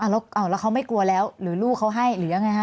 แล้วเขาไม่กลัวแล้วหรือลูกเขาให้หรือยังไงฮะ